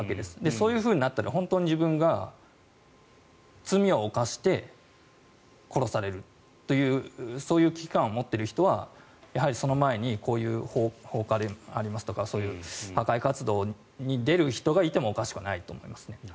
そういうふうになったら本当に自分が罪を犯して殺されるというそういう危機感を持っている人はやはりその前にこういう放火でありますとかそういう破壊活動に出る人がいてもおかしくないと思いますね。